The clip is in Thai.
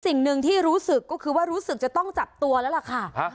สิ่งหนึ่งที่รู้สึกก็คือว่ารู้สึกจะต้องจับตัวแล้วล่ะค่ะ